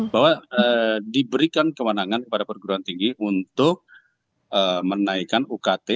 bahwa diberikan kewenangan kepada perguruan tinggi untuk menaikkan ukt